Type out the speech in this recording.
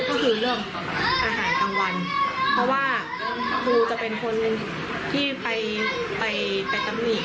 ก็คือเรื่องอาหารกลางวันเพราะว่าครูจะเป็นคนที่ไปไปตำหนิ